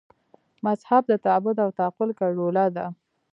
مذهب د تعبد او تعقل ګډوله ده.